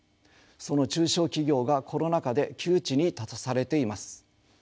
その中小企業がコロナ禍で窮地に立たされています。